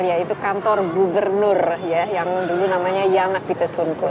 ya itu kantor gubernur yang dulu namanya janak piter sungkun